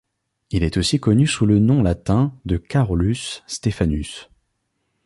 Il est aussi connu sous le nom latin de Carolus Stephanus.